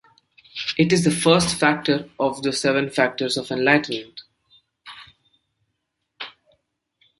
It is the first factor of the Seven Factors of Enlightenment.